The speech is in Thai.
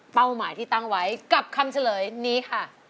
หมายที่ตั้งไว้กับคำเฉลยนี้ค่ะ